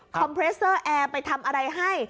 เพรสเตอร์แอร์ไปทำอะไรให้